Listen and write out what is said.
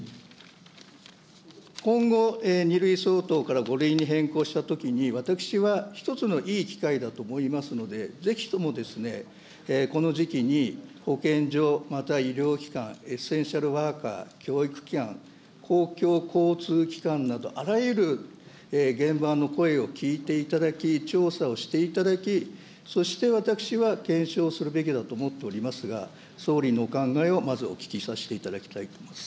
今後、２類相当から５類に変更したときに、私は一つのいい機会だと思いますので、ぜひともこの時期に保健所、また医療機関、エッセンシャルワーカー、教育機関、公共交通機関など、あらゆる現場の声を聞いていただき、調査をしていただき、そして、私は検証するべきだと思っておりますが、総理のお考えをまずお聞きさせていただきたいと思います。